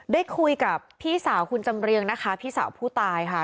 ได้คุยกับพี่สาวคุณจำเรียงนะคะพี่สาวผู้ตายค่ะ